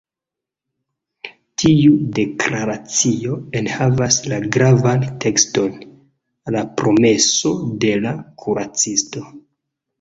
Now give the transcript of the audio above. Tiu deklaracio enhavas la gravan tekston “La promeso de la kuracisto”.